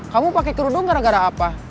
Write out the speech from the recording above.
kamu pakai kerudung gara gara apa